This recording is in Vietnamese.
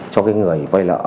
cho người vay lợ